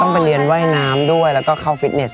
ต้องเรียนไว้น้ำด้วยและเข้าฟิตเนส